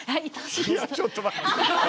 いやちょっと待って。